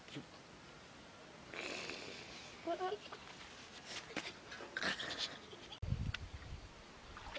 อุ๊ยปุ่นหน่อยก่อน